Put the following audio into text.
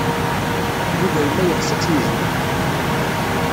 Yuba yella yeɣs ad tt-yejmeɛ.